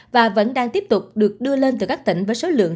và vẫn đang tiếp tục được đưa lên từ các tỉnh với số lượng